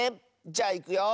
じゃあいくよ。